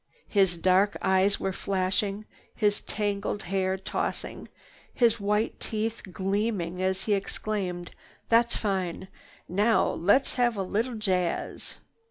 His dark eyes were flashing, his tangled hair tossing, his white teeth gleaming, as he exclaimed: "That's fine! Now let's have a little jazz!"